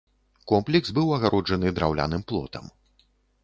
Комплекс быў агароджаны драўляным плотам.